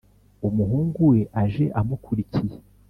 umuhungu we aje amukurikiye